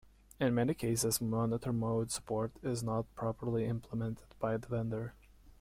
In many cases, monitor mode support is not properly implemented by the vendor.